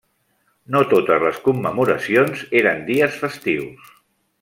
No totes les commemoracions eren dies festius.